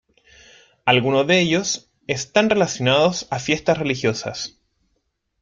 Algunos de ellos están relacionados a fiestas religiosas.